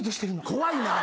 怖いな！